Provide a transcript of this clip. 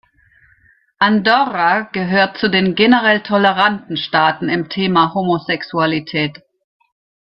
Andorra gehört zu den generell toleranten Staaten im Thema Homosexualität.